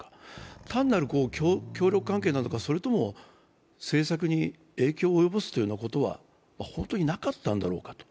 単なる協力関係なのか、それとも政策に影響を及ぼすことは本当になかったんだろうか。